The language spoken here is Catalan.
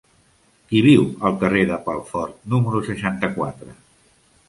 Qui viu al carrer de Pelfort número seixanta-quatre?